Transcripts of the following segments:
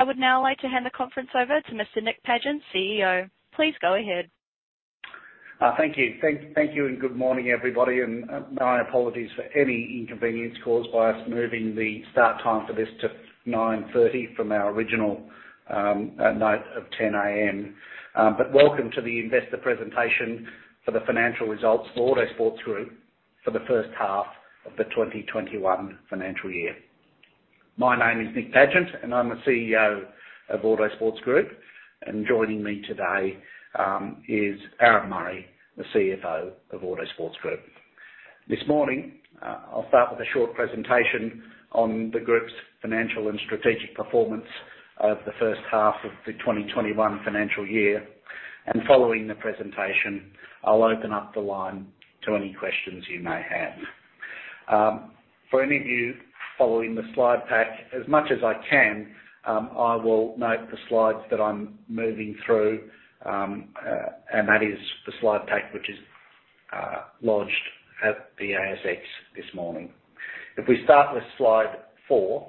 I would now like to hand the conference over to Mr. Nick Pagent, CEO. Please go ahead. Thank you. Thank you, and good morning, everybody, and my apologies for any inconvenience caused by us moving the start time for this to 9:30 AM from our original note of 10:00 A.M. Welcome to the investor presentation for the financial results for Autosports Group for the first half of the 2021 financial year. My name is Nick Pagent, and I'm the CEO of Autosports Group. Joining me today is Aaron Murray, the CFO of Autosports Group. This morning, I'll start with a short presentation on the group's financial and strategic performance of the first half of the 2021 financial year. Following the presentation, I'll open up the line to any questions you may have. For any of you following the slide pack, as much as I can, I will note the slides that I'm moving through, and that is the slide pack which is lodged at the ASX this morning. If we start with Slide four,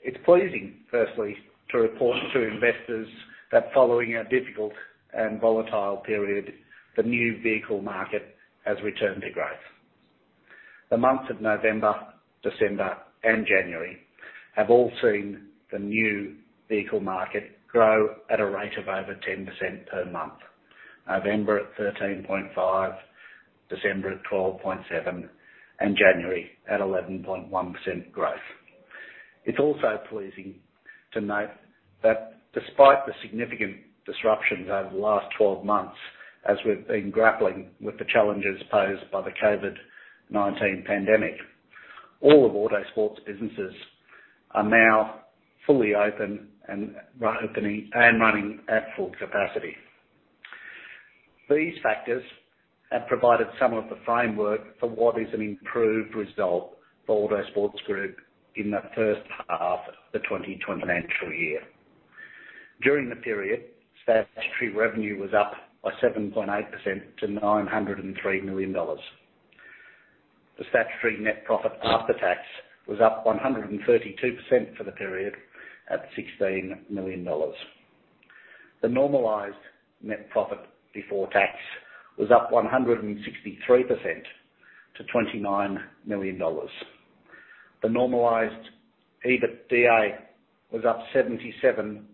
it's pleasing, firstly, to report to investors that following a difficult and volatile period, the new vehicle market has returned to growth. The months of November, December, and January have all seen the new vehicle market grow at a rate of over 10% per month. November at 13.5%, December at 12.7%, and January at 11.1% growth. It's also pleasing to note that despite the significant disruptions over the last 12 months, as we've been grappling with the challenges posed by the COVID-19 pandemic, all of Autosports' businesses are now fully open and running at full capacity. These factors have provided some of the framework for what is an improved result for Autosports Group in the first half of the 2020 financial year. During the period, statutory revenue was up by 7.8% to 903 million dollars. The statutory net profit after tax was up 132% for the period at 16 million dollars. The normalized net profit before tax was up 163% to 29 million dollars. The normalized EBITDA was up 77.8%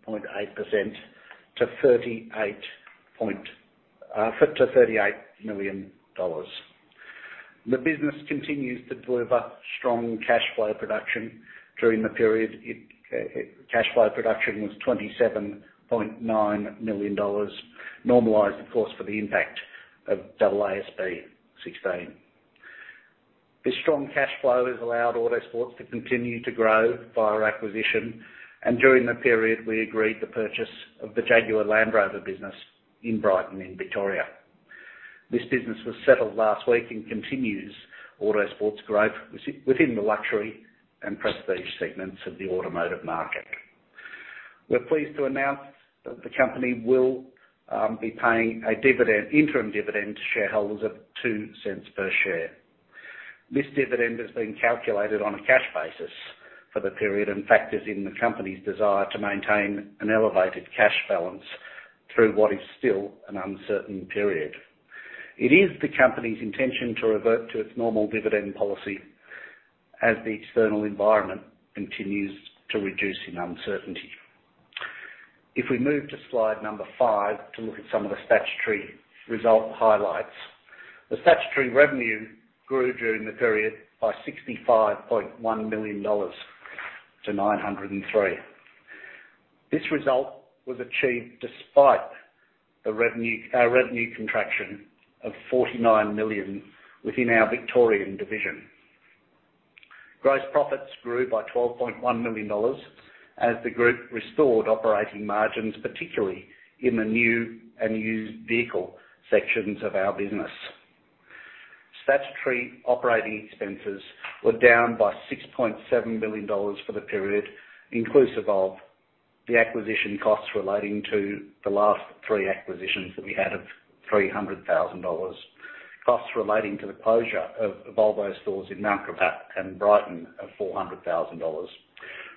to 38 million dollars. The business continues to deliver strong cash flow production during the period. Cash flow production was 27.9 million dollars, normalized, of course, for the impact of AASB 16. This strong cash flow has allowed Autosports to continue to grow via acquisition, and during the period, we agreed to purchase the Jaguar Land Rover business in Brighton in Victoria. This business was settled last week and continues Autosports growth within the luxury and prestige segments of the automotive market. We are pleased to announce that the company will be paying an interim dividend to shareholders of 0.02 per share. This dividend has been calculated on a cash basis for the period and factors in the company's desire to maintain an elevated cash balance through what is still an uncertain period. It is the company's intention to revert to its normal dividend policy as the external environment continues to reduce in uncertainty. If we move to slide number five to look at some of the statutory result highlights. The statutory revenue grew during the period by AUD 65.1 million to 903 million. This result was achieved despite a revenue contraction of 49 million within our Victorian division. Gross profits grew by 12.1 million dollars as the group restored operating margins, particularly in the new and used vehicle sections of our business. Statutory operating expenses were down by 6.7 billion dollars for the period, inclusive of the acquisition costs relating to the last three acquisitions that we had of 300,000 dollars. Costs relating to the closure of Volvo stores in Mount Gravatt and Brighton of 400,000 dollars.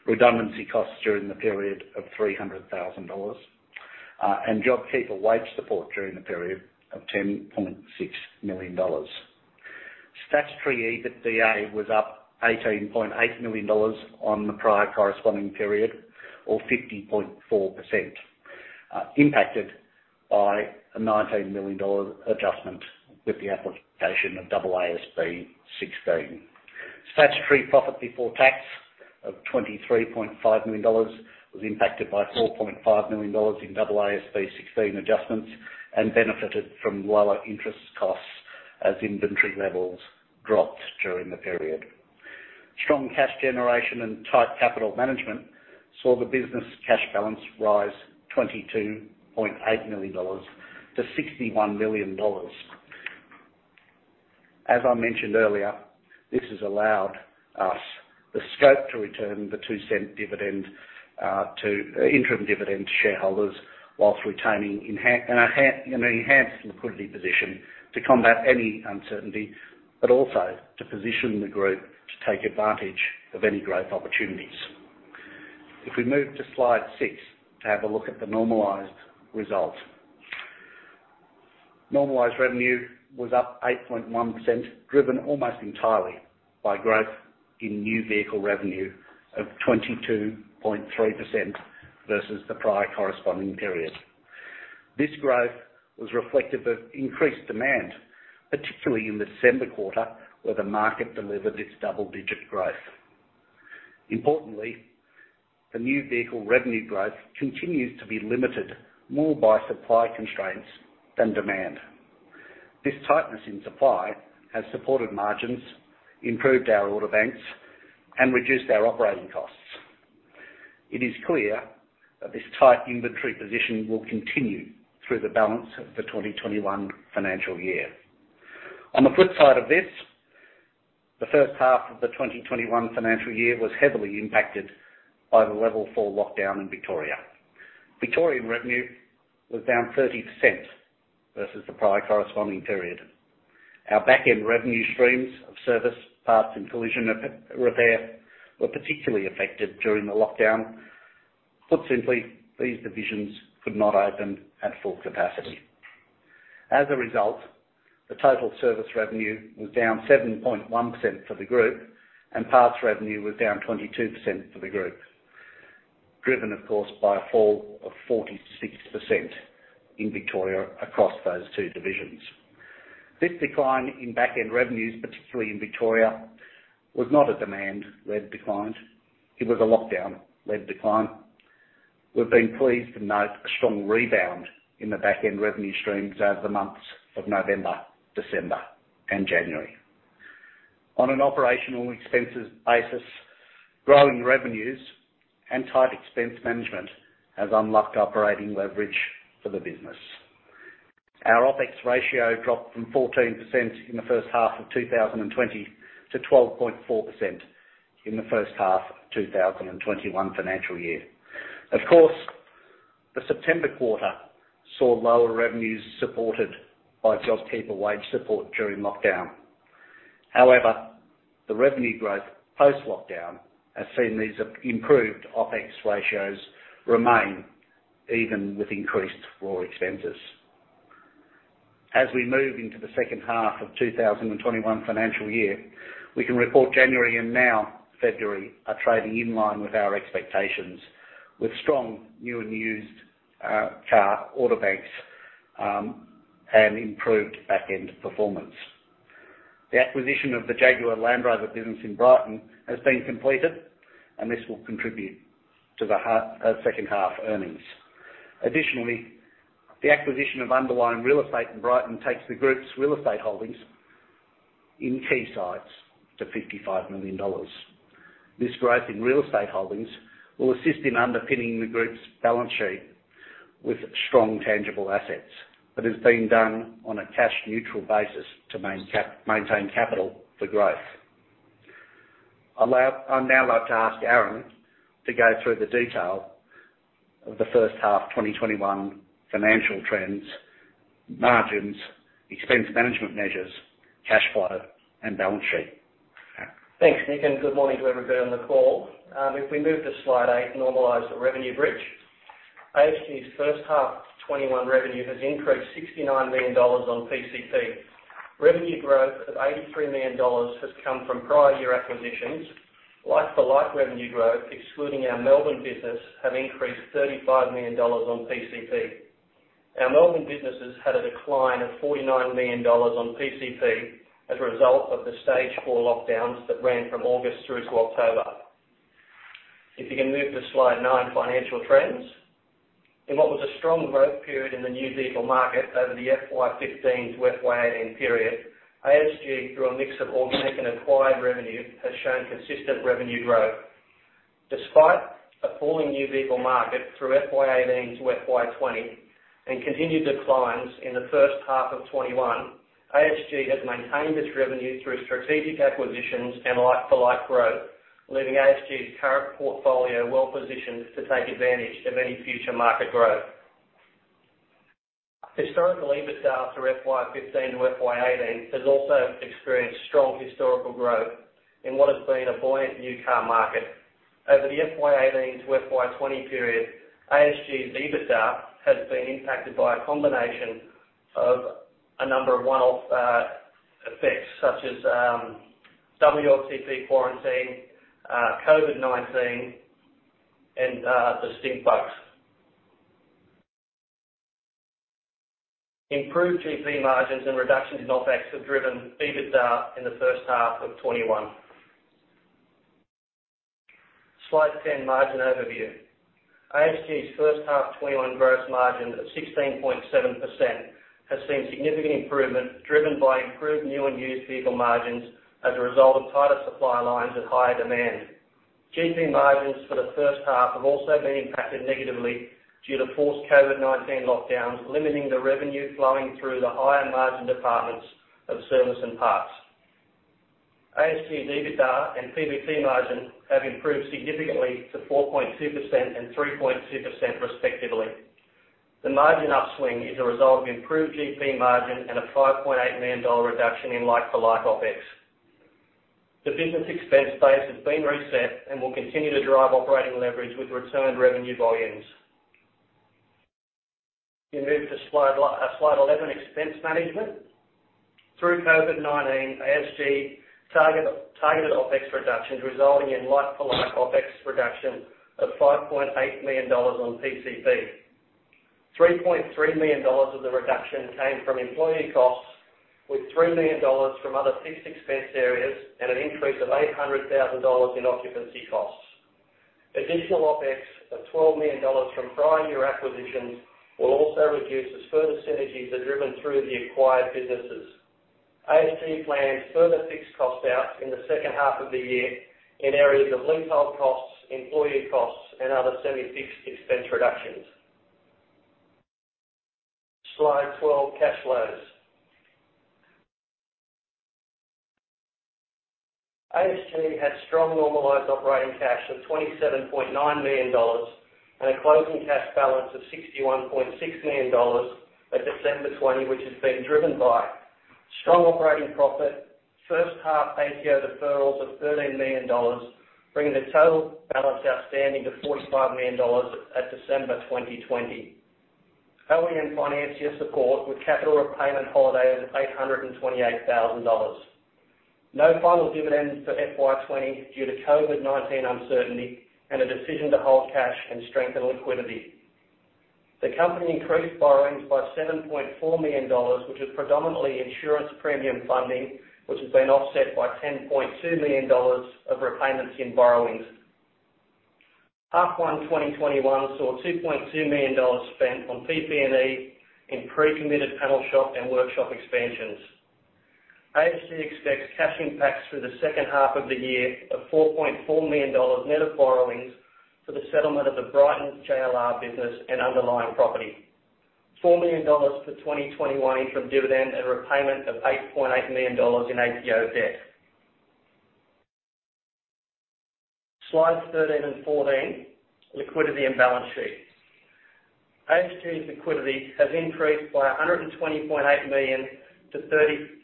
Redundancy costs during the period of 300,000 dollars. JobKeeper wage support during the period of 10.6 million dollars. Statutory EBITDA was up 18.8 million dollars on the prior corresponding period, or 50.4%, impacted by a 19 million dollar adjustment with the application of AASB 16. Statutory profit before tax of 23.5 million dollars was impacted by 4.5 million dollars in AASB 16 adjustments and benefited from lower interest costs as inventory levels dropped during the period. Strong cash generation and tight capital management saw the business cash balance rise 22.8 million dollars to 61 million dollars. As I mentioned earlier, this has allowed us the scope to return the 0.02 interim dividend to shareholders whilst retaining an enhanced liquidity position to combat any uncertainty, but also to position the group to take advantage of any growth opportunities. If we move to slide six to have a look at the normalized results. Normalized revenue was up 8.1%, driven almost entirely by growth in new vehicle revenue of 22.3% versus the prior corresponding period. This growth was reflective of increased demand, particularly in the December quarter, where the market delivered its double-digit growth. Importantly, the new vehicle revenue growth continues to be limited more by supply constraints than demand. This tightness in supply has supported margins, improved our order banks, and reduced our operating costs. It is clear that this tight inventory position will continue through the balance of the 2021 financial year. On the flip side of this, the first half of the 2021 financial year was heavily impacted by the Level 4 lockdown in Victoria. Victorian revenue was down 30% versus the prior corresponding period. Our back-end revenue streams of service, parts and collision repair were particularly affected during the lockdown. Put simply, these divisions could not open at full capacity. As a result, the total service revenue was down 7.1% for the group, and parts revenue was down 22% for the group. Driven, of course, by a fall of 46% in Victoria across those two divisions. This decline in back-end revenues, particularly in Victoria, was not a demand-led decline. It was a lockdown-led decline. We've been pleased to note a strong rebound in the back-end revenue streams over the months of November, December and January. On an operational expenses basis, growing revenues and tight expense management has unlocked operating leverage for the business. Our OpEx ratio dropped from 14% in the first half of 2020 to 12.4% in the first half of 2021 financial year. Of course, the September quarter saw lower revenues supported by JobKeeper wage support during lockdown. However, the revenue growth post-lockdown has seen these improved OpEx ratios remain even with increased raw expenses. As we move into the second half of 2021 financial year, we can report January and now February are trading in line with our expectations, with strong new and used car order banks, and improved back-end performance. The acquisition of the Jaguar Land Rover business in Brighton has been completed, and this will contribute to the second half earnings. Additionally, the acquisition of underlying real estate in Brighton takes the group's real estate holdings in key sites to 55 million dollars. This growth in real estate holdings will assist in underpinning the group's balance sheet with strong tangible assets, but is being done on a cash neutral basis to maintain capital for growth. I'd now like to ask Aaron to go through the detail of the first half 2021 financial trends, margins, expense management measures, cash flow and balance sheet. Aaron? Thanks, Nick. Good morning to everybody on the call. If we move to slide eight, normalized revenue bridge. ASG's first half 2021 revenue has increased 69 million dollars on PCP. Revenue growth of 83 million dollars has come from prior year acquisitions. Like-for-like revenue growth, excluding our Melbourne business, has increased 35 million dollars on PCP. Our Melbourne businesses had a decline of 49 million dollars on PCP as a result of the stage four lockdowns that ran from August through to October. If you can move to slide nine, financial trends. In what was a strong growth period in the new vehicle market over the FY 2015 to FY 2018 period, ASG, through a mix of organic and acquired revenue, has shown consistent revenue growth. Despite a falling new vehicle market through FY 2018 to FY 2020, and continued declines in the first half of 2021, ASG has maintained its revenue through strategic acquisitions and like-for-like growth, leaving ASG's current portfolio well-positioned to take advantage of any future market growth. Historical EBITDA through FY 2015 to FY 2018 has also experienced strong historical growth in what has been a buoyant new car market. Over the FY 2018 to FY 2020 period, ASG's EBITDA has been impacted by a combination of a number of one-off effects such as WLTP quarantine, COVID-19, and the stink bugs. Improved GP margins and reductions in OpEx have driven EBITDA in the first half of 2021. Slide 10, margin overview. ASG's first half 2021 gross margin of 16.7% has seen significant improvement driven by improved new and used vehicle margins as a result of tighter supply lines and higher demand. GP margins for the first half have also been impacted negatively due to forced COVID-19 lockdowns, limiting the revenue flowing through the higher margin departments of service and parts. ASG's EBITDA and PBT margins have improved significantly to 4.2% and 3.2% respectively. The margin upswing is a result of improved GP margin and an 5.8 million dollar reduction in like-for-like OpEx. The business expense base has been reset and will continue to drive operating leverage with returned revenue volumes. You move to slide 11, expense management. Through COVID-19, ASG targeted OpEx reductions resulting in like-for-like OpEx reduction of 5.8 million dollars on PCP. 3.3 million dollars of the reduction came from employee costs, with 3 million dollars from other fixed expense areas and an increase of 800,000 dollars in occupancy costs. Additional OpEx of 12 million dollars from prior year acquisitions will also reduce as further synergies are driven through the acquired businesses. ASG plans further fixed cost out in the second half of the year in areas of leasehold costs, employee costs, and other semi-fixed expense reductions. Slide 12, cash flows. ASG had strong normalized operating cash of 27.9 million dollars and a closing cash balance of 61.6 million dollars at December 2020, which has been driven by strong operating profit, first half ATO deferrals of AUD 13 million, bringing the total balance outstanding to AUD 45 million at December 2020. OEM financier support with capital repayment holiday of 828,000 dollars. No final dividends for FY 2020 due to COVID-19 uncertainty and a decision to hold cash and strengthen liquidity. The company increased borrowings by 7.4 million dollars, which is predominantly insurance premium funding, which has been offset by 10.2 million dollars of repayments in borrowings. Half one 2021 saw 2.2 million dollars spent on PP&E in pre-committed panel shop and workshop expansions. ASG expects cash impacts through the second half of the year of 4.4 million dollar net of borrowings for the settlement of the Brighton JLR business and underlying property. 4 million dollars for 2021 interim dividend and repayment of 8.8 million dollars in ATO debt. Slides 13 and 14, liquidity and balance sheet. ASG's liquidity has increased by 120.8 million to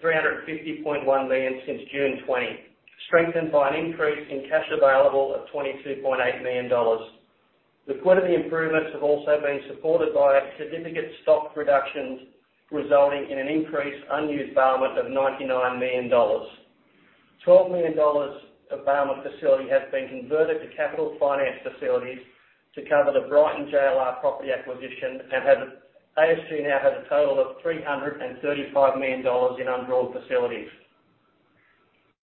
350.1 million since June 2020, strengthened by an increase in cash available of 22.8 million dollars. Liquidity improvements have also been supported by significant stock reductions, resulting in an increased unused bailment of 99 million dollars. 12 million dollars of bailment facility has been converted to capital finance facilities to cover the Brighton JLR property acquisition and ASG now has a total of 335 million dollars in undrawn facilities.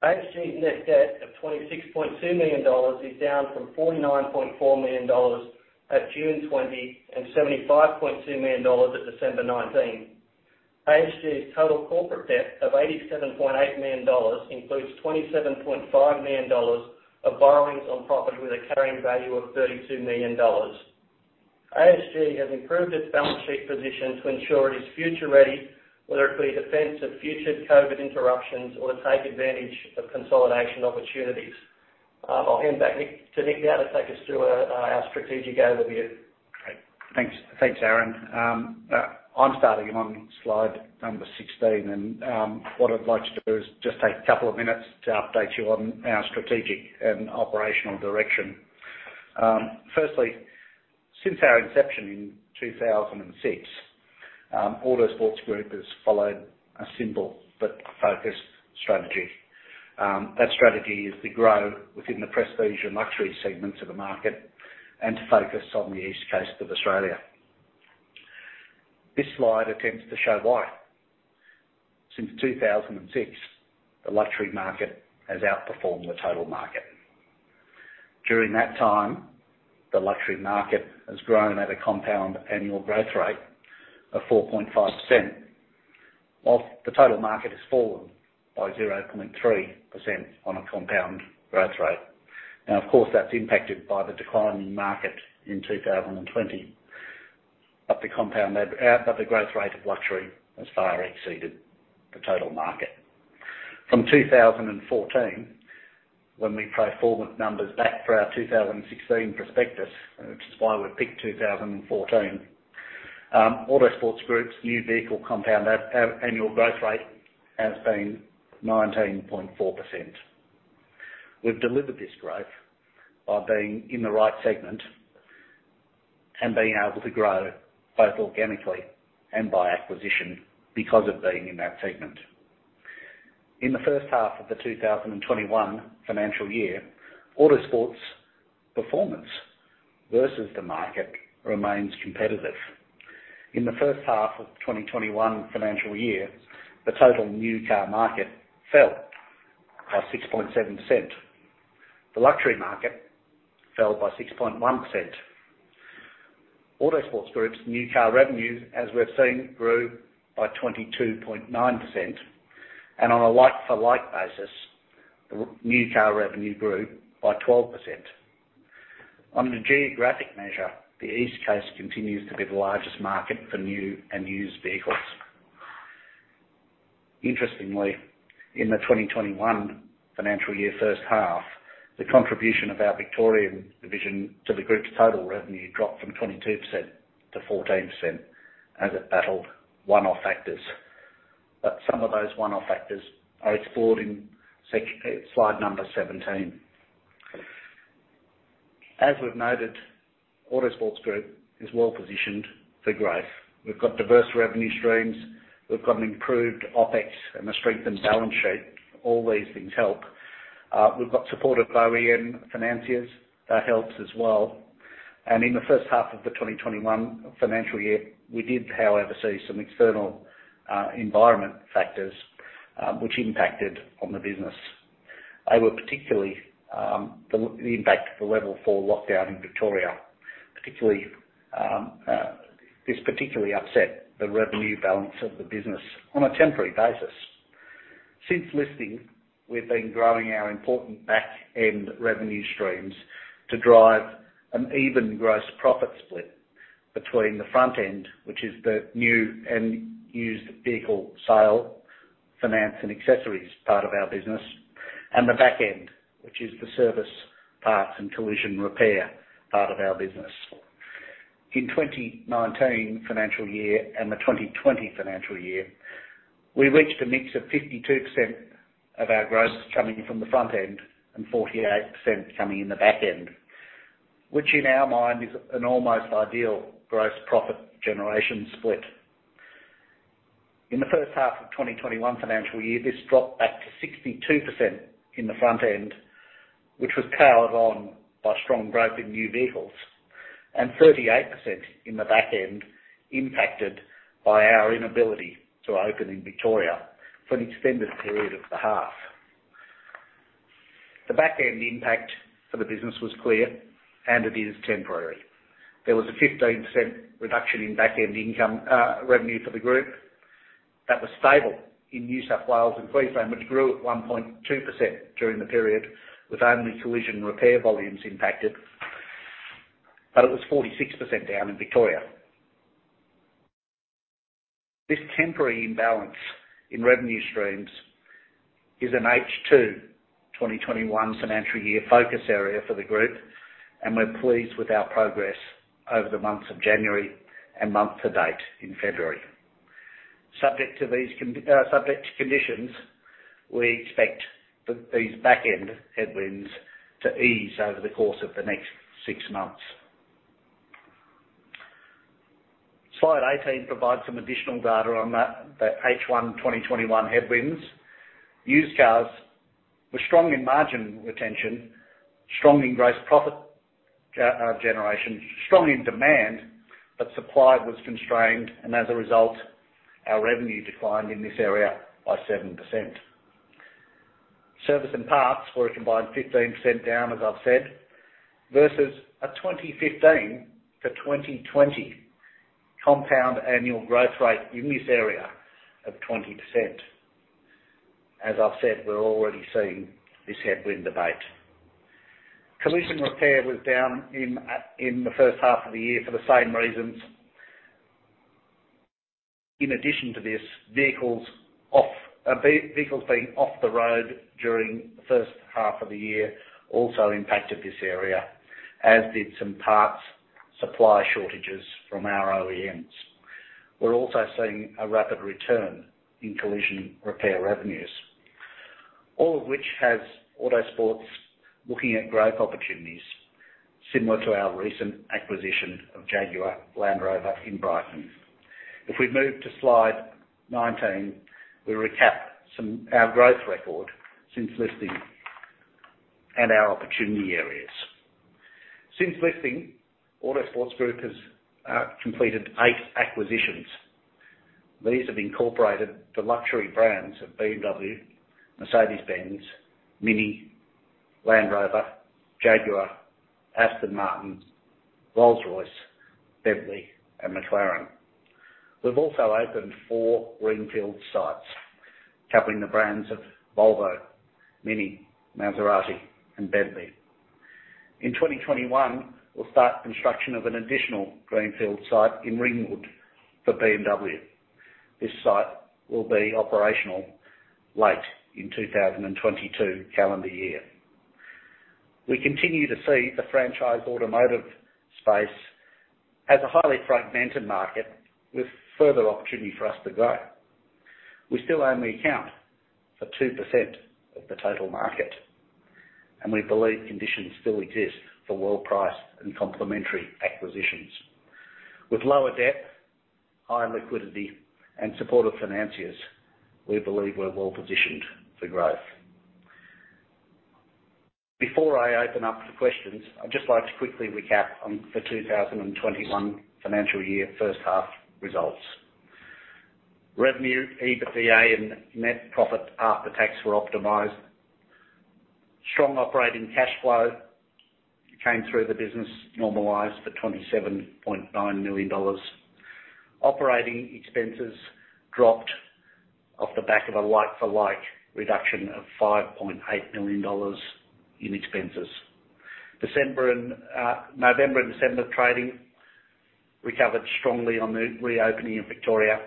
ASG's net debt of 26.2 million dollars is down from 49.4 million dollars at June 2020 and 75.2 million dollars at December 2019. ASG's total corporate debt of 87.8 million dollars includes 27.5 million dollars of borrowings on property with a carrying value of 32 million dollars. ASG has improved its balance sheet position to ensure it is future-ready, whether it be defense of future COVID interruptions or to take advantage of consolidation opportunities. I'll hand back to Nick now to take us through our strategic overview. Great. Thanks, Aaron. I'm starting on slide 16. What I'd like to do is just take a couple of minutes to update you on our strategic and operational direction. Firstly, since our inception in 2006, Autosports Group has followed a simple but focused strategy. That strategy is to grow within the prestige and luxury segments of the market and to focus on the East Coast of Australia. This slide attempts to show why. Since 2006, the luxury market has outperformed the total market. During that time, the luxury market has grown at a compound annual growth rate of 4.5%, while the total market has fallen by 0.3% on a compound growth rate. Of course, that's impacted by the decline in market in 2020. The growth rate of luxury has far exceeded the total market. From 2014, when we pro forma numbers back for our 2016 prospectus, which is why we've picked 2014, Autosports Group's new vehicle compound annual growth rate has been 19.4%. We've delivered this growth by being in the right segment and being able to grow both organically and by acquisition because of being in that segment. In the first half of the 2021 financial year, Autosports' performance versus the market remains competitive. In the first half of the 2021 financial year, the total new car market fell by 6.7%. The luxury market fell by 6.1%. Autosports Group's new car revenue, as we've seen, grew by 22.9%, and on a like-for-like basis, new car revenue grew by 12%. On the geographic measure, the East Coast continues to be the largest market for new and used vehicles. Interestingly, in the 2021 financial year first half. The contribution of our Victorian division to the group's total revenue dropped from 22% to 14% as it battled one-off factors. Some of those one-off factors are explored in slide number 17. As we've noted, Autosports Group is well-positioned for growth. We've got diverse revenue streams, we've got an improved OpEx and a strengthened balance sheet. All these things help. We've got support of OEM financiers, that helps as well. In the first half of the 2021 financial year, we did, however, see some external environment factors which impacted on the business. They were particularly, the impact of the level four lockdown in Victoria. This particularly upset the revenue balance of the business on a temporary basis. Since listing, we've been growing our important back-end revenue streams to drive an even gross profit split between the front end, which is the new and used vehicle sale, finance, and accessories part of our business, and the back end, which is the service parts and collision repair part of our business. In 2019 financial year and the 2020 financial year, we reached a mix of 52% of our gross coming from the front end and 48% coming in the back end, which in our mind is an almost ideal gross profit generation split. In the first half of 2021 financial year, this dropped back to 62% in the front end, which was powered on by strong growth in new vehicles, and 38% in the back end, impacted by our inability to open in Victoria for an extended period of the half. The back-end impact for the business was clear, and it is temporary. There was a 15% reduction in back-end revenue for the group that was stable in New South Wales and Queensland, which grew at 1.2% during the period, with only collision repair volumes impacted, but it was 46% down in Victoria. This temporary imbalance in revenue streams is an H2 2021 financial year focus area for the group, and we're pleased with our progress over the months of January and month to date in February. Subject to conditions, we expect these back-end headwinds to ease over the course of the next six months. Slide 18 provides some additional data on that H1 2021 headwinds. Used cars were strong in margin retention, strong in gross profit generation, strong in demand, but supply was constrained, and as a result, our revenue declined in this area by 7%. Service and parts were a combined 15% down, as I've said, versus a 2015 to 2020 compound annual growth rate in this area of 20%. As I've said, we're already seeing this headwind abate. Collision repair was down in the first half of the year for the same reasons. In addition to this, vehicles being off the road during the first half of the year also impacted this area, as did some parts supply shortages from our OEMs. We're also seeing a rapid return in collision repair revenues, all of which has Autosports looking at growth opportunities similar to our recent acquisition of Jaguar Land Rover in Brighton. If we move to slide 19, we recap our growth record since listing and our opportunity areas. Since listing, Autosports Group has completed eight acquisitions. These have incorporated the luxury brands of BMW, Mercedes-Benz, MINI, Land Rover, Jaguar, Aston Martin, Rolls-Royce, Bentley, and McLaren. We've also opened four greenfield sites covering the brands of Volvo, MINI, Maserati, and Bentley. In 2021, we'll start construction of an additional greenfield site in Ringwood for BMW. This site will be operational late in 2022 calendar year. We continue to see the franchise automotive space as a highly fragmented market with further opportunity for us to grow. We still only account for 2% of the total market, and we believe conditions still exist for well-priced and complementary acquisitions. With lower debt, higher liquidity, and support of financiers, we believe we're well positioned for growth. Before I open up for questions, I'd just like to quickly recap on the 2021 financial year first half results. Revenue, EBITDA, and net profit after tax were optimized. Strong operating cash flow came through the business normalized for 27.9 million dollars. Operating expenses dropped off the back of a like for like reduction of 5.8 million dollars in expenses. November and December trading recovered strongly on the reopening in Victoria.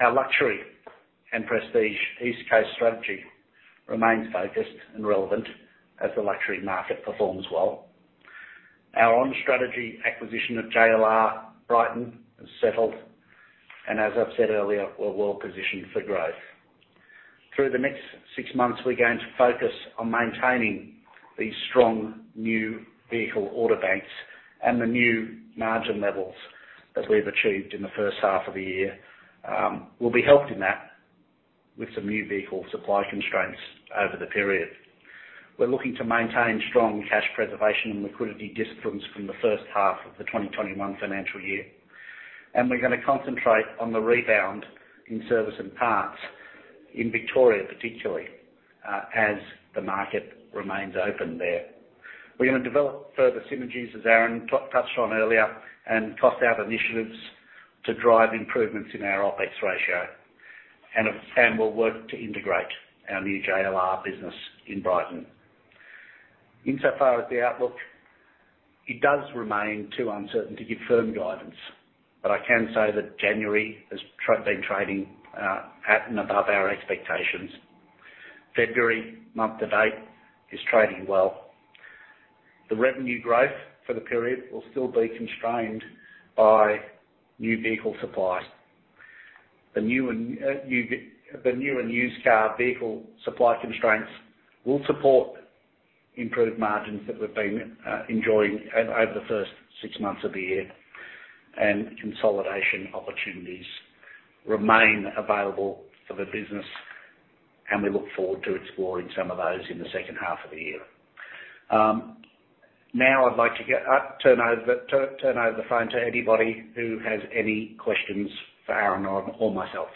Our luxury and prestige East Coast strategy remains focused and relevant as the luxury market performs well. Our on-strategy acquisition of JLR Brighton has settled. As I've said earlier, we're well-positioned for growth. Through the next six months, we're going to focus on maintaining these strong new vehicle order banks and the new margin levels that we've achieved in the first half of the year. We'll be helped in that with some new vehicle supply constraints over the period. We're looking to maintain strong cash preservation and liquidity disciplines from the first half of the 2021 financial year, and we're going to concentrate on the rebound in service and parts in Victoria, particularly, as the market remains open there. We're going to develop further synergies, as Aaron touched on earlier, and cost out initiatives to drive improvements in our OpEx ratio, and we'll work to integrate our new JLR business in Brighton. Insofar as the outlook, it does remain too uncertain to give firm guidance, but I can say that January has been trading at and above our expectations. February month to date is trading well. The revenue growth for the period will still be constrained by new vehicle supply. The new and used car vehicle supply constraints will support improved margins that we've been enjoying over the first six months of the year, and consolidation opportunities remain available for the business, and we look forward to exploring some of those in the second half of the year. Now I'd like to turn over the phone to anybody who has any questions for Aaron or myself.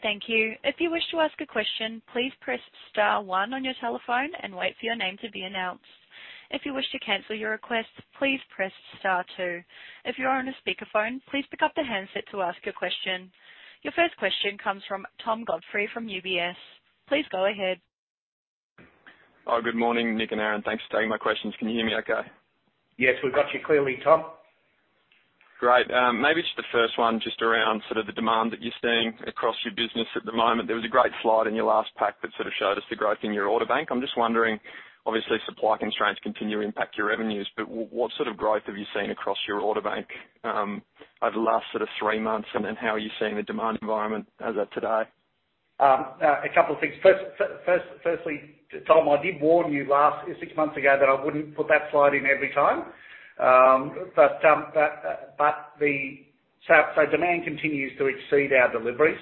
Thank you. If you wish to ask a question, please press star one on your telephone and wait for your name to be announced. If you wish to cancel your request, please press star two. If you are on a speakerphone, please pick up the handset to ask your question. Your first question comes from Tom Godfrey from UBS. Please go ahead. Good morning, Nick and Aaron. Thanks for taking my questions. Can you hear me okay? Yes, we've got you clearly, Tom. Great. Maybe just the first one just around sort of the demand that you're seeing across your business at the moment. There was a great slide in your last pack that sort of showed us the growth in your order bank. I'm just wondering, obviously supply constraints continue to impact your revenues, but what sort of growth have you seen across your order bank over the last sort of three months, and how are you seeing the demand environment as of today? A couple of things. Firstly, Tom, I did warn you six months ago that I wouldn't put that slide in every time. Demand continues to exceed our deliveries,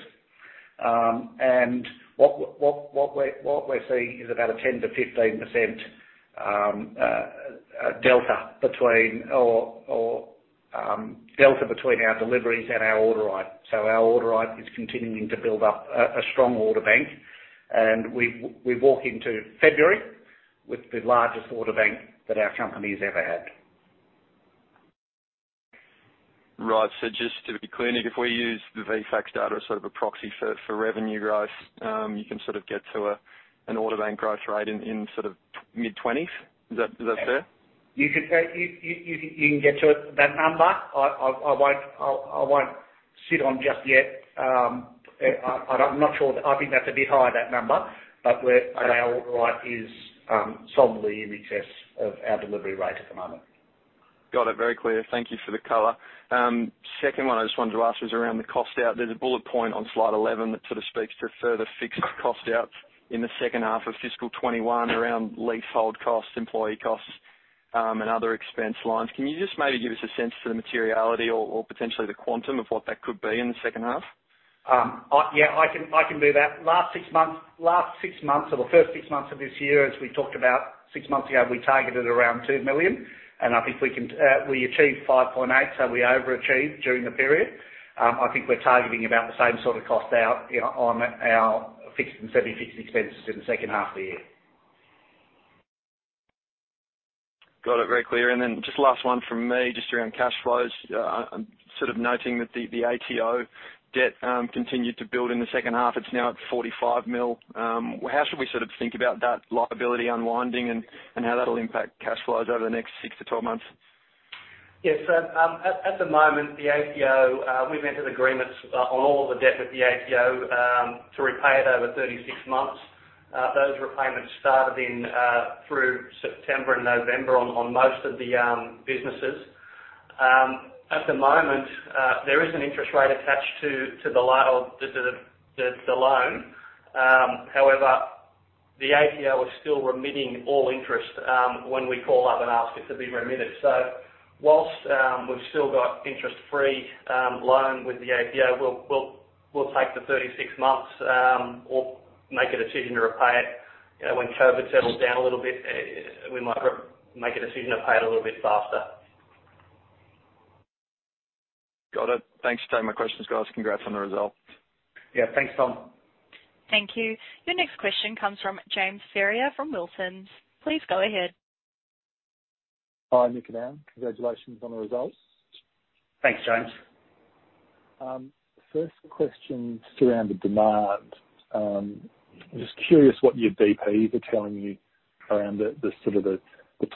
and what we're seeing is about a 10%-15% delta between our deliveries and our order write. Our order write is continuing to build up a strong order bank, and we walk into February with the largest order bank that our company's ever had. Right. Just to `be clear, Nick, if we use the VFACTS data as sort of a proxy for revenue growth, you can sort of get to an order bank growth rate in mid-twenties. Is that fair? You can get to that number. I won't sit on just yet. I'm not sure. I think that's a bit high, that number, but our order write is solidly in excess of our delivery rate at the moment. Got it. Very clear. Thank you for the color. Second one I just wanted to ask was around the cost out. There's a bullet point on slide 11 that sort of speaks to further fixed cost outs in the second half of fiscal 2021 around leasehold costs, employee costs, and other expense lines. Can you just maybe give us a sense for the materiality or potentially the quantum of what that could be in the second half? Yeah, I can do that. Last six months, or the first six months of this year, as we talked about six months ago, we targeted around 2 million, and I think we achieved 5.8, so we overachieved during the period. I think we're targeting about the same sort of cost out on our semi-fixed expenses in the second half of the year. Got it. Very clear. Just last one from me, just around cash flows. I'm sort of noting that the ATO debt continued to build in the second half. It's now at 45 million. How should we sort of think about that liability unwinding and how that'll impact cash flows over the next six to 12 months? Yes. At the moment, the ATO, we've entered agreements on all the debt with the ATO, to repay it over 36 months. Those repayments started in through September and November on most of the businesses. At the moment, there is an interest rate attached to the loan. However, the ATO is still remitting all interest when we call up and ask it to be remitted. Whilst we've still got interest-free loan with the ATO, we'll take the 36 months or make a decision to repay it. When COVID settles down a little bit, we might make a decision to pay it a little bit faster. Got it. Thanks for taking my questions, guys. Congrats on the result. Yeah. Thanks, Tom. Thank you. Your next question comes from James Ferrier from Wilsons. Please go ahead. Hi, Nick and Aaron. Congratulations on the results. Thanks, James. First question surrounded demand. Just curious what your DPs are telling you around the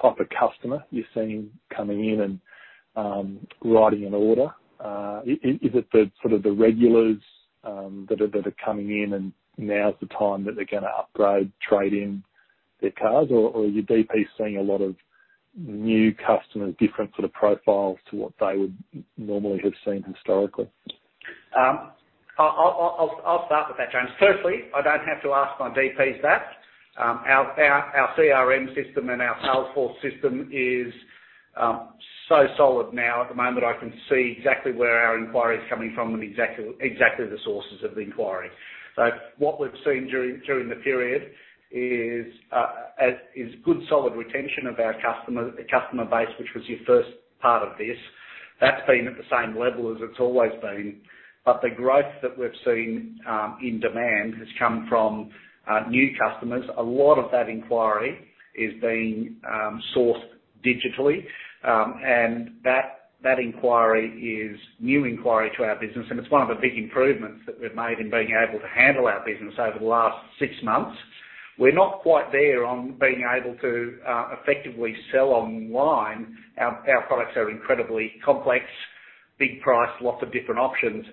type of customer you're seeing coming in and writing an order. Is it the regulars that are coming in, and now is the time that they're going to upgrade, trade in their cars? Or are your DPs seeing a lot of new customers, different sort of profiles to what they would normally have seen historically? I'll start with that, James. I don't have to ask my DPs that. Our CRM system and our Salesforce system is so solid now. At the moment, I can see exactly where our inquiry is coming from and exactly the sources of the inquiry. What we've seen during the period is good solid retention of our customer base, which was your first part of this. That's been at the same level as it's always been. The growth that we've seen in demand has come from new customers. A lot of that inquiry is being sourced digitally, and that inquiry is new inquiry to our business, and it's one of the big improvements that we've made in being able to handle our business over the last six months. We're not quite there on being able to effectively sell online. Our products are incredibly complex, big price, lots of different options.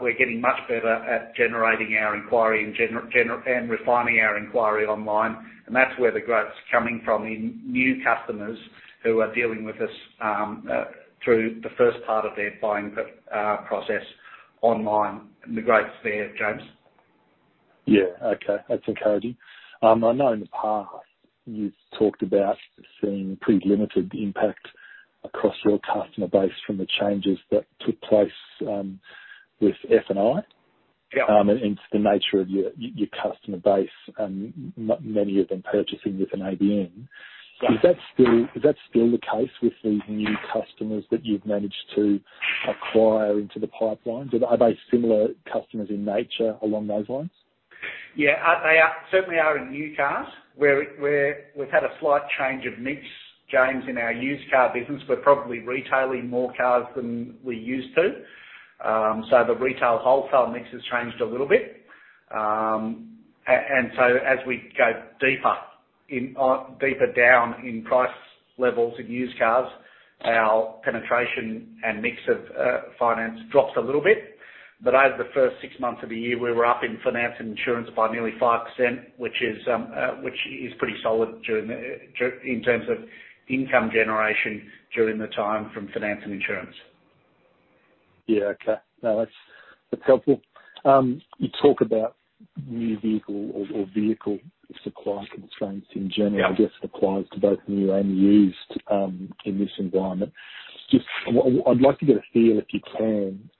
We're getting much better at generating our inquiry and refining our inquiry online, and that's where the growth's coming from, in new customers who are dealing with us through the first part of their buying process online. The growth's there, James. Yeah. Okay. That's encouraging. I know in the past you've talked about seeing pretty limited impact across your customer base from the changes that took place with F&I. Yeah. It's the nature of your customer base, and not many of them purchasing with an ABN. Yeah. Is that still the case with these new customers that you've managed to acquire into the pipeline? Are they similar customers in nature along those lines? They certainly are in new cars, where we've had a slight change of mix, James, in our used car business. We're probably retailing more cars than we used to. The retail-wholesale mix has changed a little bit. As we go deeper down in price levels in used cars, our penetration and mix of finance drops a little bit. Over the first six months of the year, we were up in finance and insurance by nearly 5%, which is pretty solid in terms of income generation during the time from finance and insurance. Yeah. Okay. No, that's helpful. You talk about new vehicle or vehicle supply constraints in general. Yeah. I guess it applies to both new and used, in this environment. I'd like to get a feel, if you can,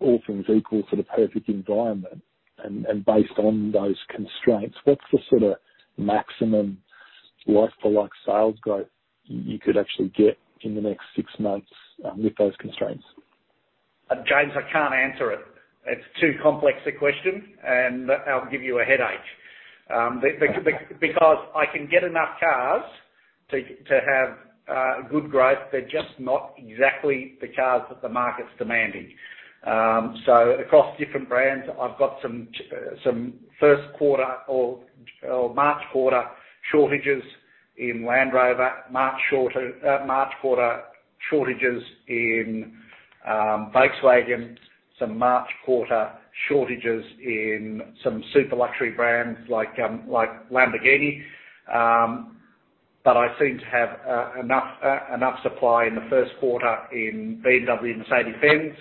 all things equal for the perfect environment, and based on those constraints, what's the sort of maximum like-for-like sales growth you could actually get in the next six months with those constraints? James, I can't answer it. It's too complex a question, and I'll give you a headache. I can get enough cars to have good growth, they're just not exactly the cars that the market's demanding. Across different brands, I've got some first quarter or March quarter shortages in Land Rover, March quarter shortages in Volkswagen, some March quarter shortages in some super luxury brands like Lamborghini. I seem to have enough supply in the first quarter in BMW and Mercedes-Benz.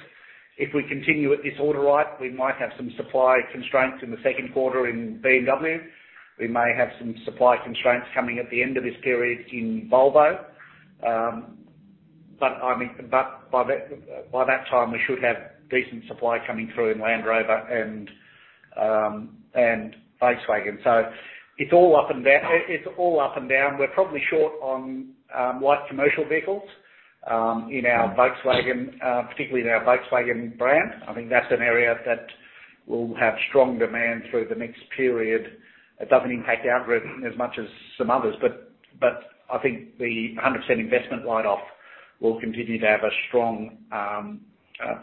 If we continue at this order rate, we might have some supply constraints in the second quarter in BMW. We may have some supply constraints coming at the end of this period in Volvo. By that time, we should have decent supply coming through in Land Rover and Volkswagen. It's all up and down. We're probably short on light commercial vehicles, particularly in our Volkswagen brand. I think that's an area that will have strong demand through the mixed period. It doesn't impact our group as much as some others, but I think the 100% investment write-off will continue to have a strong,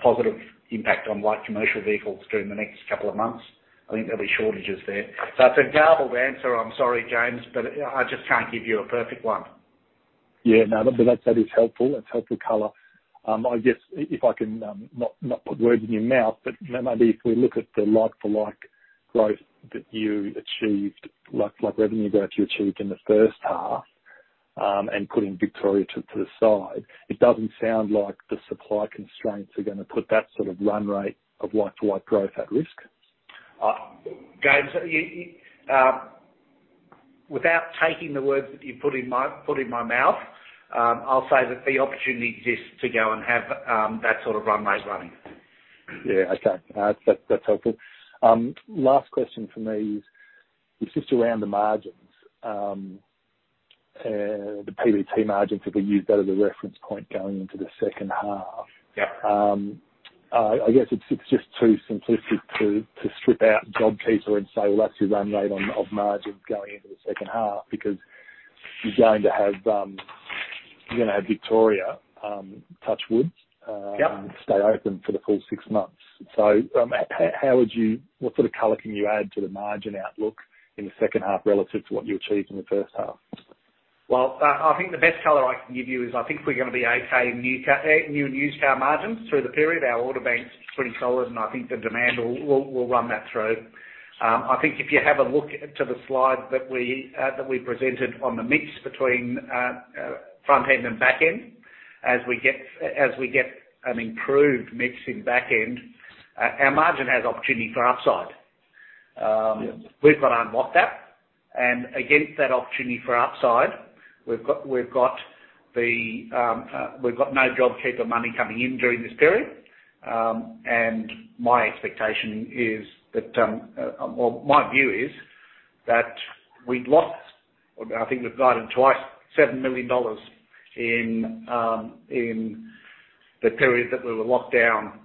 positive impact on light commercial vehicles during the next couple of months. I think there'll be shortages there. It's a garbled answer, I'm sorry, James, but I just can't give you a perfect one. Yeah. That is helpful. That's helpful color. I guess if I can, not put words in your mouth, but maybe if we look at the like-for-like growth that you achieved, like-for-like revenue growth you achieved in the first half, and putting Victoria to the side, it doesn't sound like the supply constraints are going to put that sort of run rate of like-for-like growth at risk. James, without taking the words that you put in my mouth, I'll say that the opportunity exists to go and have that sort of run rate running. Yeah. Okay. That's helpful. Last question from me is just around the margins. The PBT margins, if we use that as a reference point going into the second half. Yeah. I guess it's just too simplistic to strip out JobKeeper and say, "Well, that's your run rate of margins going into the second half," because You're going to have Victoria, touch wood, stay open for the full six months. What sort of color can you add to the margin outlook in the second half relative to what you achieved in the first half? I think the best color I can give you is, we're going to be okay in new and used car margins through the period. Our order bank's pretty solid, and the demand will run that through. I think if you have a look to the slide that we presented on the mix between front end and back end. As we get an improved mix in back end, our margin has opportunity for upside. Yeah. We've got to unlock that. Against that opportunity for upside, we've got no JobKeeper money coming in during this period. My view is that we'd lost, I think we've guided twice, 7 million dollars in the period that we were locked down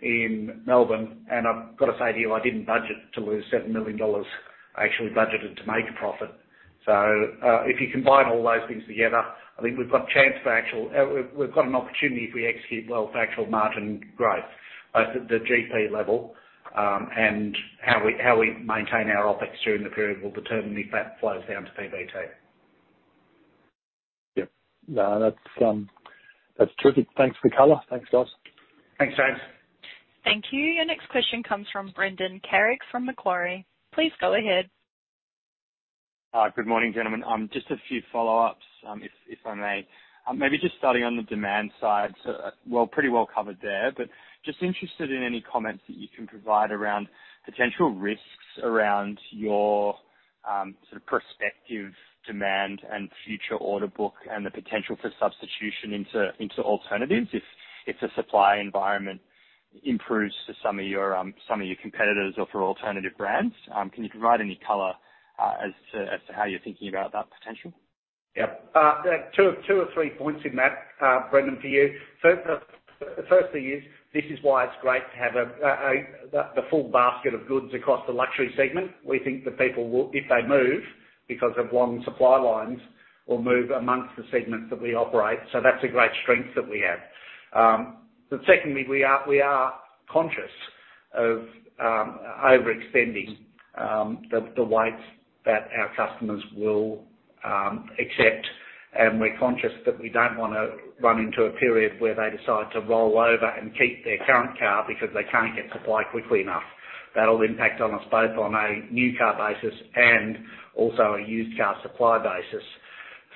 in Melbourne. I've got to say to you, I didn't budget to lose 7 million dollars. I actually budgeted to make a profit. If you combine all those things together, I think we've got an opportunity if we execute well for actual margin growth at the GP level. How we maintain our OpEx during the period will determine if that flows down to PBT. Yep. No, that's terrific. Thanks for the color. Thanks, guys. Thanks, James. Thank you. Your next question comes from Brendan Carrig from Macquarie. Please go ahead. Hi. Good morning, gentlemen. Just a few follow-ups, if I may. Maybe just starting on the demand side, so pretty well covered there, but just interested in any comments that you can provide around potential risks around your prospective demand and future order book and the potential for substitution into alternatives if the supply environment improves for some of your competitors or for alternative brands. Can you provide any color as to how you're thinking about that potential? Yep. Two or three points in that, Brendan, for you. First thing is, this is why it's great to have the full basket of goods across the luxury segment. We think that people, if they move because of one supply line, will move amongst the segments that we operate. That's a great strength that we have. Secondly, we are conscious of overextending the waits that our customers will accept, and we're conscious that we don't want to run into a period where they decide to roll over and keep their current car because they can't get supply quickly enough. That'll impact on us both on a new car basis and also a used car supply basis.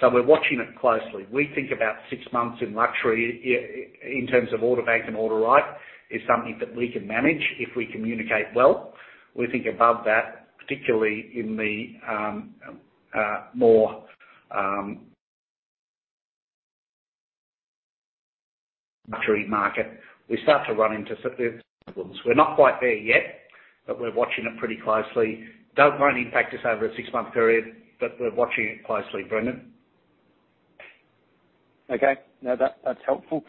We're watching it closely. We think about six months in luxury in terms of order bank and order right is something that we can manage if we communicate well. We think above that, particularly in the more luxury market, we start to run into some problems. We're not quite there yet, but we're watching it pretty closely. Don't want to impact us over a six-month period, but we're watching it closely, Brendan. Okay. No, that's helpful.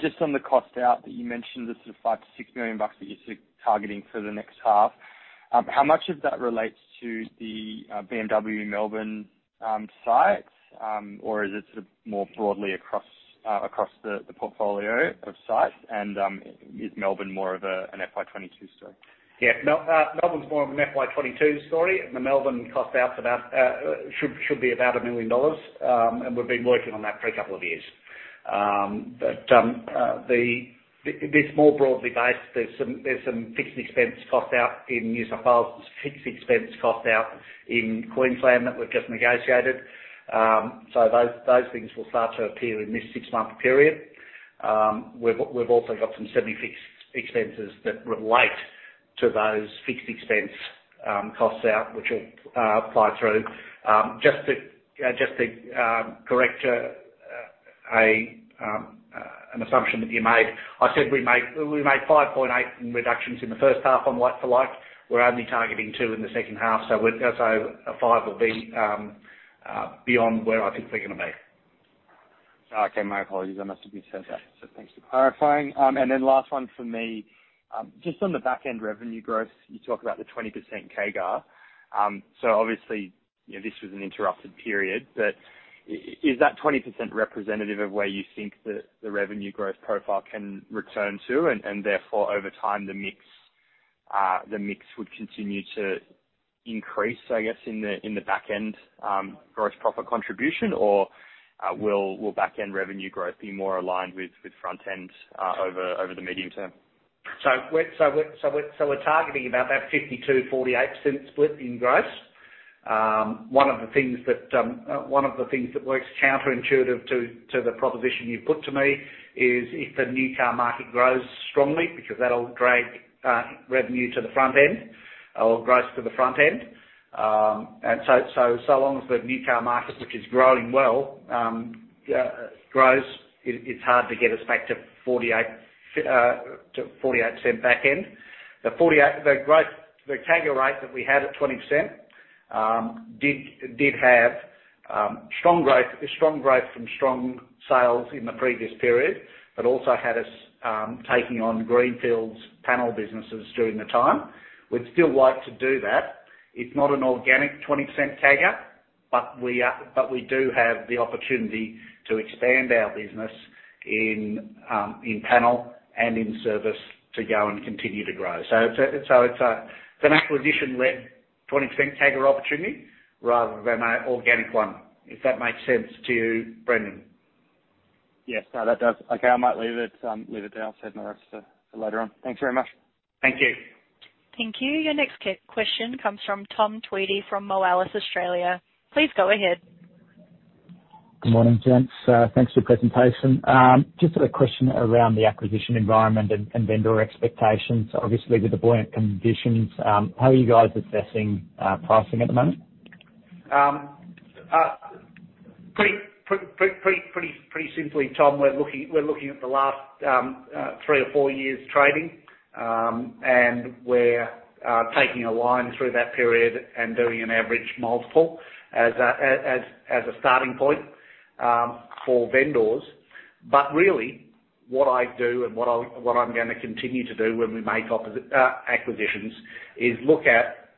Just on the cost out that you mentioned, the 5 million-6 million bucks that you're targeting for the next half. How much of that relates to the BMW Melbourne site? Is it more broadly across the portfolio of sites? Is Melbourne more of an FY 2022 story? Melbourne's more of an FY 2022 story. The Melbourne cost out should be about 1 million dollars, and we've been working on that for a couple of years. It's more broadly based. There's some fixed expense cost out in New South Wales, there's fixed expense cost out in Queensland that we've just negotiated. Those things will start to appear in this six-month period. We've also got some semi-fixed expenses that relate to those fixed expense costs out, which will apply through. Just to correct an assumption that you made, I said we made 5.8 million in reductions in the first half on like to like. We're only targeting 2 million in the second half. 5 million will be beyond where I think we're going to be. Okay. My apologies. I must have misheard that. Thanks for clarifying. Last one from me. Just on the back-end revenue growth, you talk about the 20% CAGR. Obviously, this was an interrupted period, but is that 20% representative of where you think that the revenue growth profile can return to, and therefore, over time, the mix would continue to increase, I guess, in the back-end gross profit contribution? Will back-end revenue growth be more aligned with front end over the medium term? We're targeting about that 52%, 48% split in gross. One of the things that works counterintuitive to the proposition you put to me is if the new car market grows strongly, because that will drag revenue to the front end or gross to the front end. So long as the new car market, which is growing well, grows, it is hard to get us back to 48% back end. The CAGR rate that we had at 20% did have strong growth from strong sales in the previous period, but also had us taking on greenfields panel businesses during the time. We would still like to do that. It is not an organic 20% CAGR, but we do have the opportunity to expand our business in panel and in service to go and continue to grow. It's an acquisition-led 20% CAGR opportunity rather than an organic one, if that makes sense to you, Brendan. Yes, that does. Okay. I might leave it there. I'll save the rest for later on. Thanks very much. Thank you. Thank you. Your next question comes from Tom Tweedie from Moelis Australia. Please go ahead. Good morning, gents. Thanks for your presentation. Just a question around the acquisition environment and vendor expectations. Obviously, with the buoyant conditions, how are you guys assessing pricing at the moment? Pretty simply, Tom, we're looking at the last three or four years' trading, we're taking a line through that period and doing an average multiple as a starting point for vendors. Really, what I do and what I'm going to continue to do when we make acquisitions is look at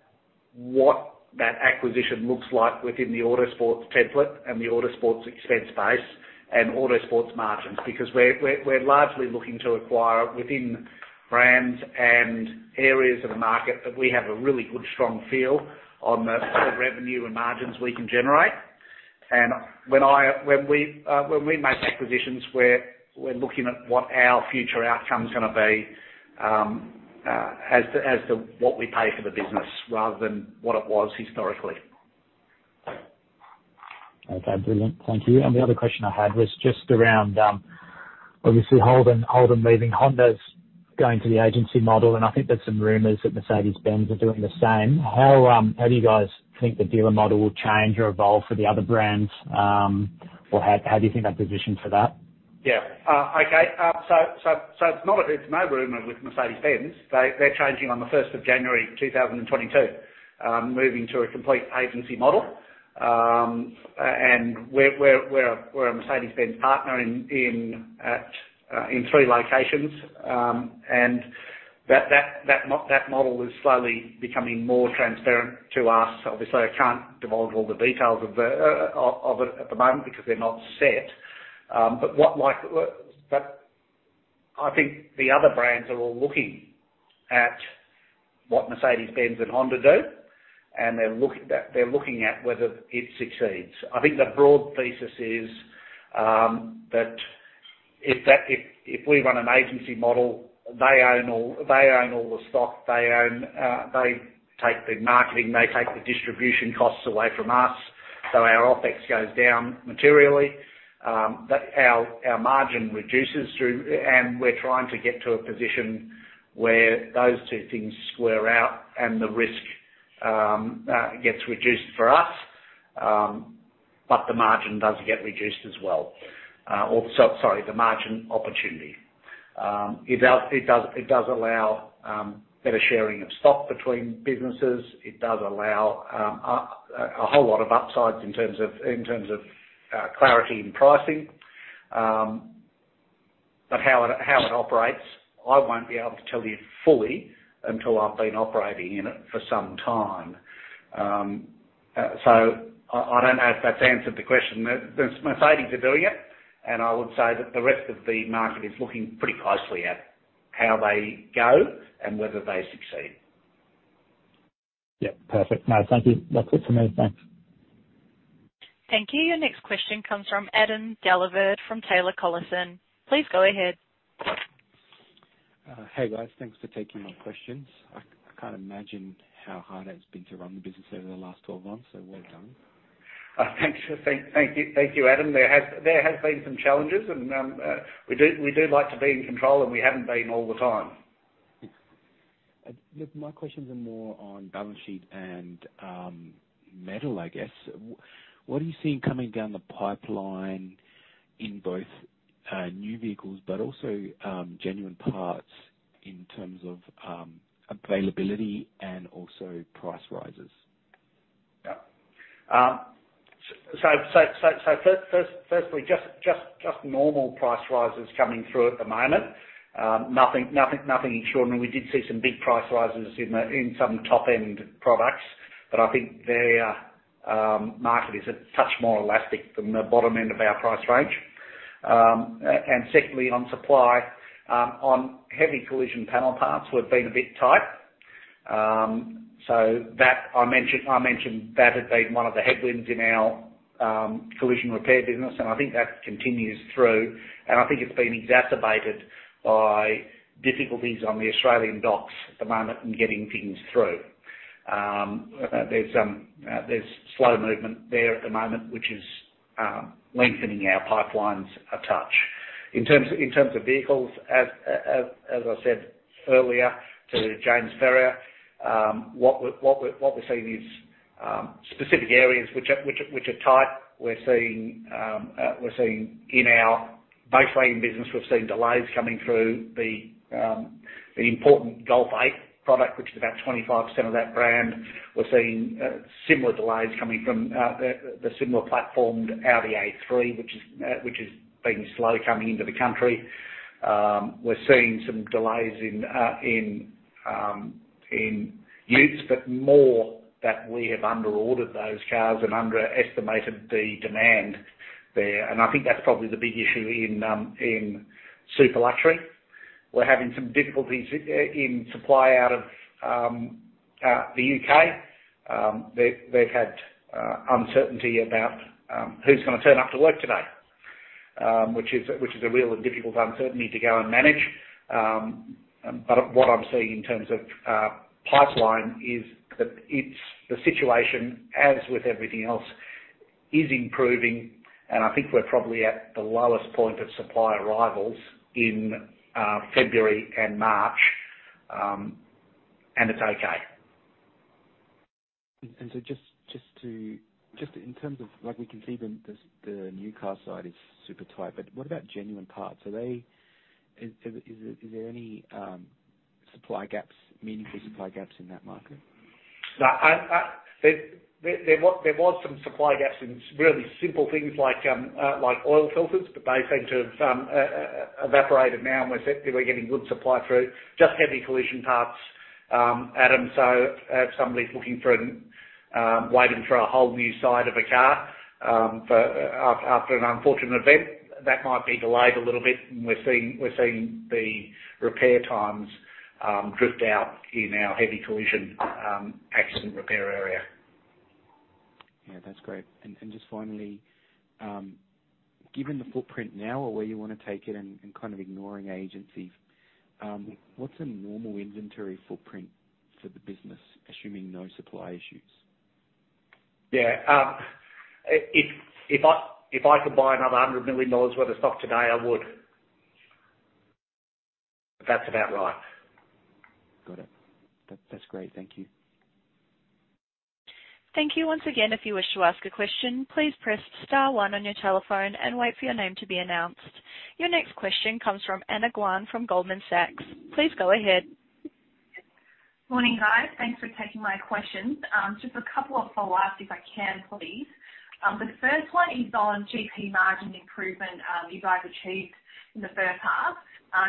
what that acquisition looks like within the Autosports template and the Autosports expense base and Autosports margins. We're largely looking to acquire within brands and areas of the market that we have a really good, strong feel on the sort of revenue and margins we can generate. When we make acquisitions, we're looking at what our future outcome's going to be as to what we pay for the business, rather than what it was historically. Okay, brilliant. Thank you. The other question I had was just around, obviously, Holden leaving. Honda's going to the agency model, and I think there's some rumors that Mercedes-Benz are doing the same. How do you guys think the dealer model will change or evolve for the other brands? How do you think they've positioned for that? It's no rumor with Mercedes-Benz. They're changing on the 1st of January 2022, moving to a complete agency model. We're a Mercedes-Benz partner in three locations, and that model is slowly becoming more transparent to us. Obviously, I can't divulge all the details of it at the moment because they're not set. I think the other brands are all looking at what Mercedes-Benz and Honda do, and they're looking at whether it succeeds. The broad thesis is that if we run an agency model, they own all the stock. They take the marketing, they take the distribution costs away from us, so our OpEx goes down materially. Our margin reduces, and we're trying to get to a position where those two things square out and the risk gets reduced for us, but the margin does get reduced as well. Sorry, the margin opportunity. It does allow better sharing of stock between businesses. It does allow a whole lot of upsides in terms of clarity in pricing. How it operates, I won't be able to tell you fully until I've been operating in it for some time. I don't know if that's answered the question. Mercedes are doing it, and I would say that the rest of the market is looking pretty closely at how they go and whether they succeed. Yeah, perfect. No, thank you. That's it from me. Thanks. Thank you. Your next question comes from Adam Dellaverde from Taylor Collison. Please go ahead. Hey, guys. Thanks for taking my questions. I can't imagine how hard it's been to run the business over the last 12 months. Well done. Thank you, Adam. There have been some challenges, and we do like to be in control, and we haven't been all the time. Look, my questions are more on balance sheet and metal, I guess. What are you seeing coming down the pipeline in both new vehicles, but also genuine parts in terms of availability and also price rises? Firstly, just normal price rises coming through at the moment. Nothing extraordinary. We did see some big price rises in some top-end products, but I think their market is a touch more elastic than the bottom end of our price range. Secondly, on supply, on heavy collision panel parts, we've been a bit tight. I mentioned that had been one of the headwinds in our collision repair business, and I think that continues through, and I think it's been exacerbated by difficulties on the Australian docks at the moment in getting things through. There's slow movement there at the moment, which is lengthening our pipelines a touch. In terms of vehicles, as I said earlier to James Ferrier, what we're seeing is specific areas which are tight. In our Volkswagen business, we've seen delays coming through the important Golf Mk8 product, which is about 25% of that brand. We're seeing similar delays coming from the similar platformed Audi A3, which has been slow coming into the country. We're seeing some delays in use, but more that we have under-ordered those cars and underestimated the demand there. I think that's probably the big issue in super luxury. We're having some difficulties in supply out of the U.K. They've had uncertainty about who's going to turn up to work today which is a real and difficult uncertainty to go and manage. What I'm seeing in terms of pipeline is that the situation, as with everything else, is improving, and I think we're probably at the lowest point of supply arrivals in February and March, and it's okay. Just in terms of, we can see the new car side is super tight, but what about genuine parts? Is there any meaningful supply gaps in that market? No. There was some supply gaps in really simple things like oil filters, but they seem to have evaporated now and we're getting good supply through just heavy collision parts, Adam. If somebody's waiting for a whole new side of a car after an unfortunate event, that might be delayed a little bit, and we're seeing the repair times drift out in our heavy collision accident repair area. Yeah, that's great. Just finally, given the footprint now or where you want to take it and kind of ignoring agencies, what's a normal inventory footprint for the business, assuming no supply issues? Yeah. If I could buy another 100 million dollars worth of stock today, I would. That's about right. Got it. That's great. Thank you. Thank you. Once again, if you wish to ask a question, please press star one on your telephone and wait for your name to be announced. Your next question comes from Anna Guan from Goldman Sachs. Please go ahead. Morning, guys. Thanks for taking my questions. Just a couple of follow-ups if I can, please. The first one is on GP margin improvement you guys achieved in the first half,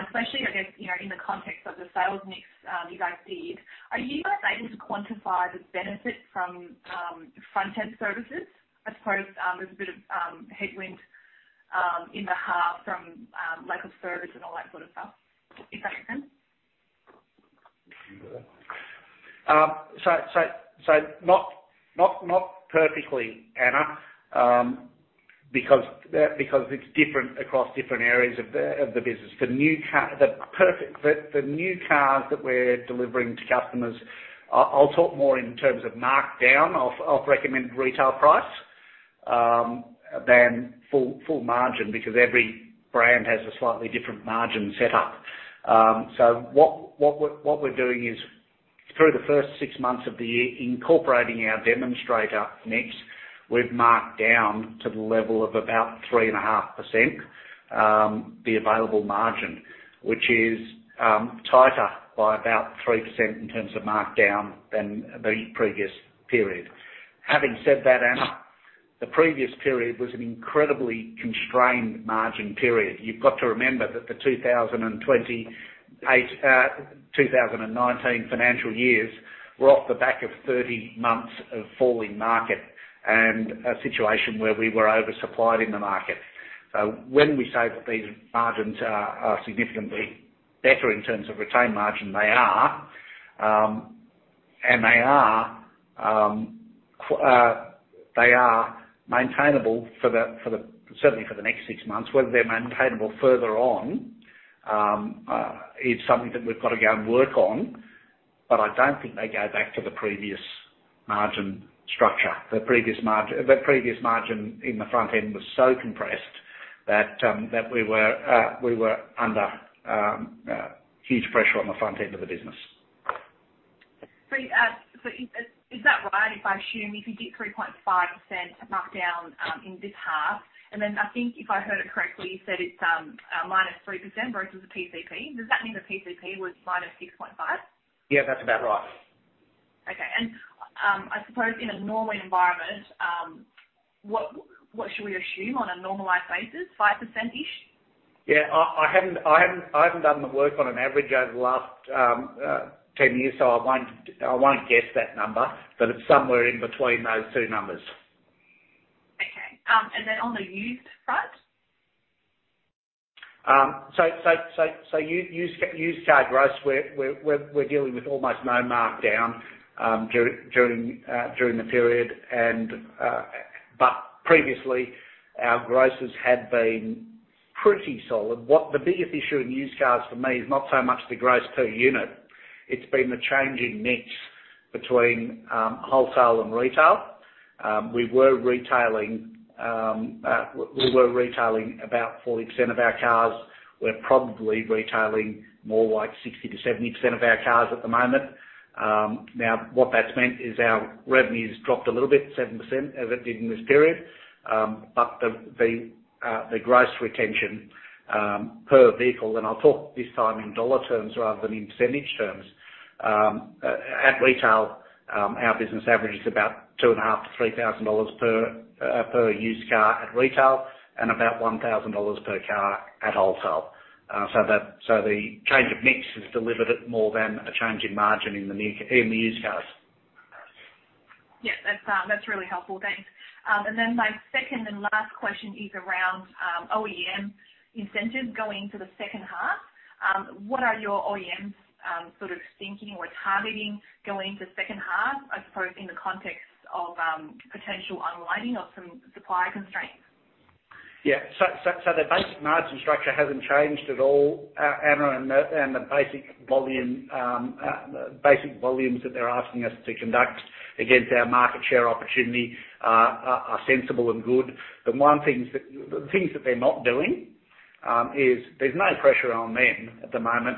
especially, I guess, in the context of the sales mix you guys did. Are you guys able to quantify the benefit from front-end services? I suppose there's a bit of headwind in the half from lack of service and all that sort of stuff, if that makes sense. Not perfectly, Anna, because it's different across different areas of the business. For new cars that we're delivering to customers, I'll talk more in terms of markdown of recommended retail price than full margin, because every brand has a slightly different margin set up. What we're doing is through the first six months of the year, incorporating our demonstrator mix, we've marked down to the level of about 3.5% the available margin. Which is tighter by about 3% in terms of markdown than the previous period. Having said that, Anna, the previous period was an incredibly constrained margin period. You've got to remember that the 2019 financial years were off the back of 30 months of falling market and a situation where we were oversupplied in the market. When we say that these margins are significantly better in terms of retained margin, they are. They are maintainable certainly for the next six months. Whether they're maintainable further on, is something that we've got to go and work on. I don't think they go back to the previous margin structure. The previous margin in the front end was so compressed that we were under huge pressure on the front end of the business. Is that right if I assume if you did 3.5% markdown in this half, and then I think if I heard it correctly, you said it's -3% versus PCP. Does that mean the PCP was -6.5%? Yeah, that's about right. Okay. I suppose in a normal environment, what should we assume on a normalized basis, 5%-ish? Yeah, I haven't done the work on an average over the last 10 years, so I won't guess that number. It's somewhere in between those two numbers. Okay. On the used front? Used car gross, we're dealing with almost no markdown during the period. Previously, our grosses had been pretty solid. The biggest issue in used cars for me is not so much the gross per unit. It's been the changing mix between wholesale and retail. We were retailing about 40% of our cars. We're probably retailing more like 60%-70% of our cars at the moment. What that's meant is our revenue's dropped a little bit, 7%, as it did in this period. The gross retention per vehicle, and I'll talk this time in dollar terms rather than in percentage terms, at retail. Our business average is about AUD two and a half-AUD 3,000 per used car at retail, and about 1,000 dollars per car at wholesale. The change of mix has delivered at more than a change in margin in the used cars. Yeah, that's really helpful. Thanks. My second and last question is around OEM incentives going into the second half. What are your OEMs thinking or targeting going into second half, I suppose, in the context of potential unwinding of some supply constraints? The basic margin structure hasn't changed at all, Anna, the basic volumes that they're asking us to conduct against our market share opportunity are sensible and good. The things that they're not doing is there's no pressure on them at the moment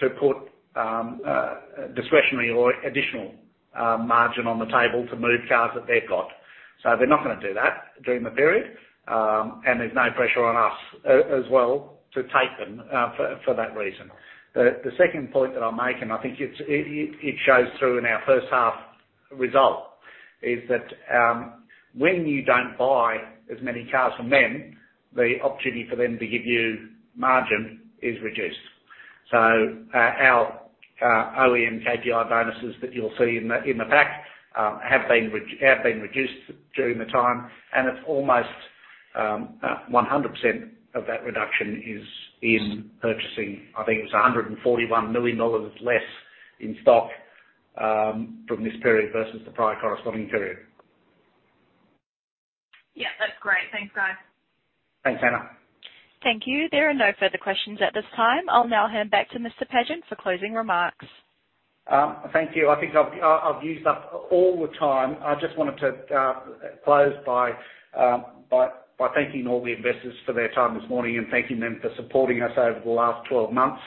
to put discretionary or additional margin on the table to move cars that they've got. They're not going to do that during the period, there's no pressure on us, as well, to take them for that reason. The second point that I'll make, I think it shows through in our first half result, is that when you don't buy as many cars from them, the opportunity for them to give you margin is reduced. Our OEM KPI bonuses that you'll see in the back have been reduced during the time, it's almost 100% of that reduction is in purchasing. I think it's 141 million dollars less in stock from this period versus the prior corresponding period. Yeah, that's great. Thanks, Guys. Thanks, Anna. Thank you. There are no further questions at this time. I'll now hand back to Mr Pagent for closing remarks. Thank you. I think I've used up all the time. I just wanted to close by thanking all the investors for their time this morning and thanking them for supporting us over the last 12 months.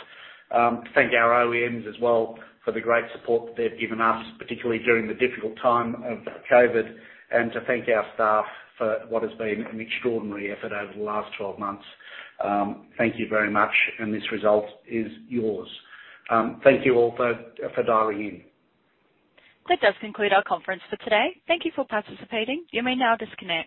Thank our OEMs as well for the great support that they've given us, particularly during the difficult time of COVID, and to thank our staff for what has been an extraordinary effort over the last 12 months. Thank you very much. This result is yours. Thank you all for dialing in. That does conclude our conference for today. Thank you for participating. You may now disconnect.